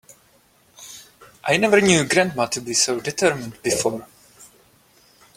I never knew grandma to be so determined before.